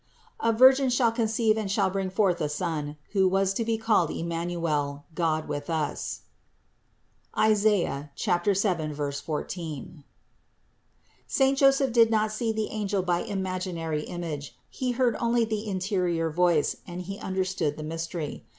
7, 14) : A Virgin shall conceive and shall bring forth a Son, who was to be called Emmanuel, God with us. Saint Joseph did not see the angel by imaginary image, he heard only the interior voice and he understood the mystery.